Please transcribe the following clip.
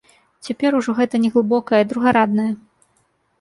Цяпер ужо гэта неглыбокае, другараднае.